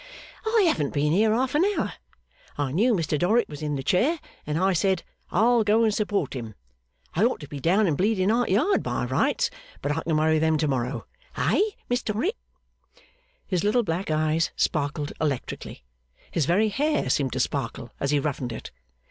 'I haven't been here half an hour. I knew Mr Dorrit was in the chair, and I said, "I'll go and support him!" I ought to be down in Bleeding Heart Yard by rights; but I can worry them to morrow. Eh, Miss Dorrit?' His little black eyes sparkled electrically. His very hair seemed to sparkle as he roughened it.